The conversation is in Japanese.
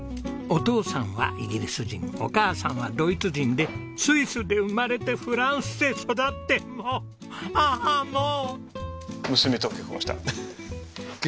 お父さんはイギリス人お母さんはドイツ人でスイスで生まれてフランスで育ってもうああもう！